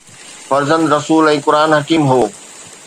فرزند رسول ۽ قرآن حڪيم هو